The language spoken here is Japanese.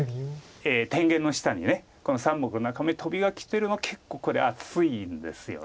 天元の下に３目中めトビがきてるのは結構これ厚いんですよね。